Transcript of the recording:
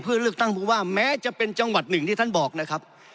เพื่อเลือกตั้งผู้ว่าแม้จะเป็นจังหวัดหนึ่งที่ท่านบอกนะครับ